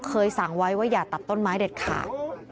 สั่งไว้ว่าอย่าตัดต้นไม้เด็ดขาด